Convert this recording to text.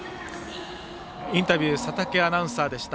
インタビュー佐竹アナウンサーでした。